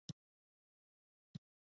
د ښځینه متشبثینو هیرول غلط سیاست دی.